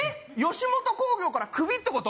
吉本興業からクビってこと？